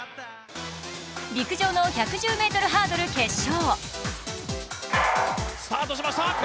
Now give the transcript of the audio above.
陸上の１１０ｍハードル決勝。